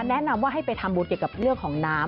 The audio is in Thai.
แนะนำว่าให้ไปทำบุญเกี่ยวกับเรื่องของน้ำ